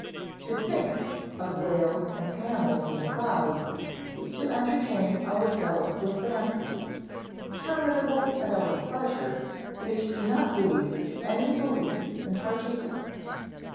To think of whales and camels in the clouds is to entertain ourselves with fancies, terminable at our pleasure, which do not lead to any belief in particular.